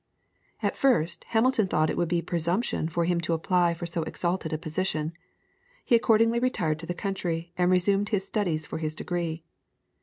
At first Hamilton thought it would be presumption for him to apply for so exalted a position; he accordingly retired to the country, and resumed his studies for his degree.